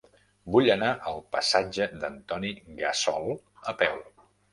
Vull anar al passatge d'Antoni Gassol a peu.